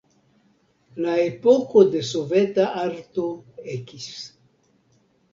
La epoko de soveta arto ekis.